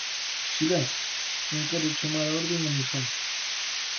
Silencio, non quero chamar á orde a ninguén.